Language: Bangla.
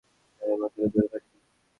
আপনার এই বন্ধুকে দূরে পাঠিয়ে দিন।